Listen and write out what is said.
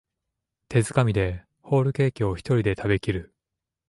手づかみでホールケーキをひとりで食べきる